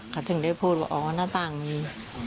เขาถึงได้พูดว่าอ๋อหน้าต่างมี